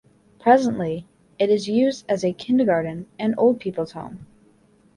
Presently it is used as a kindergarten and old people's home.